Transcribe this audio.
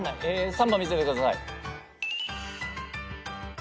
３番見せてください。